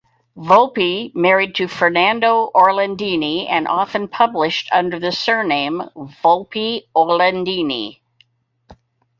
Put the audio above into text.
Volpi married to Ferdinando Orlandini and often published under the surname "Volpi Orlandini".